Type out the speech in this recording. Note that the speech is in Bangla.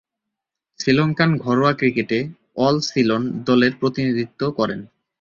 শ্রীলঙ্কান ঘরোয়া ক্রিকেটে অল-সিলন দলের প্রতিনিধিত্ব করেন।